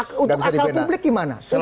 untuk akal publik gimana